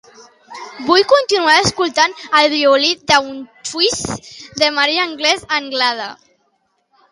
Vull continuar escoltant "El violí d'Auschwitz" de Maria Àngels Anglada.